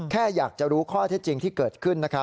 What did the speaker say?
แค่อยากจะรู้ข้อเท็จจริงที่เกิดขึ้น